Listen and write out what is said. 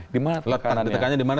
di mana ditekannya